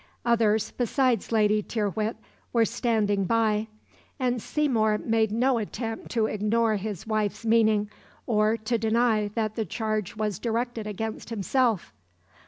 Others besides Lady Tyrwhitt were standing by; and Seymour made no attempt to ignore his wife's meaning, or to deny that the charge was directed against himself.